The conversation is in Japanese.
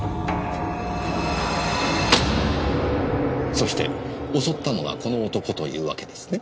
そして襲ったのはこの男というわけですね？